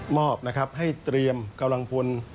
อบนะครับให้เตรียมกำลังพล